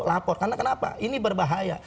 lapor karena kenapa ini berbahaya